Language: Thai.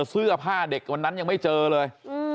เสื้อผ้าเด็กวันนั้นยังไม่เจอเลย